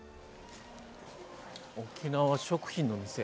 沖縄食品の店。